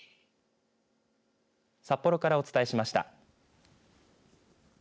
札幌からお伝えしました。